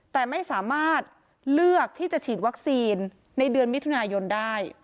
แต่ไม่สามารถเลือกที่จะฉีดวัคซีนในเดือนมิถุนายนได้